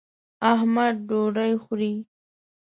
احمد ډوډۍ خوري.